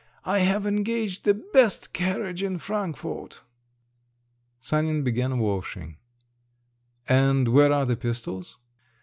I have engaged the best carriage in Frankfort!" Sanin began washing. "And where are the pistols?"